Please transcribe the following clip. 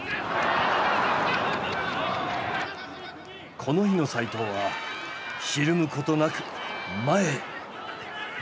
この日の齋藤はひるむことなく前へ。